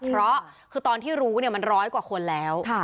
เพราะคือตอนที่รู้มันร้อยกว่าคนแล้ว